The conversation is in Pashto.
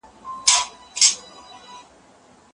هغوی وویل څښتن چي مو خوشال وي